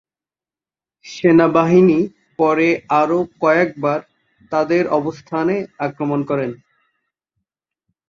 সেনাবাহিনী পরে আরও কয়েকবার তাদের অবস্থানে আক্রমণ করে।